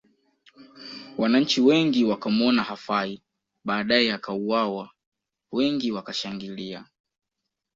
Wananchi wengi wakamuona hafai badae akauwawa wengi wakashangilia